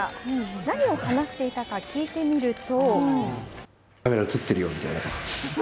何を話していたか聞いてみると。